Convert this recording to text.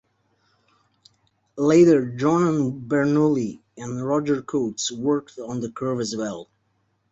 Later Johann Bernoulli and Roger Cotes worked on the curve as well.